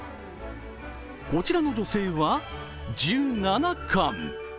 こちらの女性は１７缶。